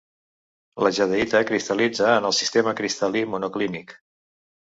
La jadeïta cristal·litza en el sistema cristal·lí monoclínic.